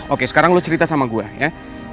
oke sekarang lo cerita sama gue ya